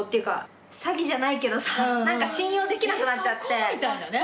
えそこ？みたいなね。